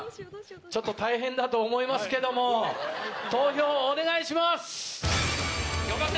ちょっと大変だと思いますけども投票をお願いします。頑張って！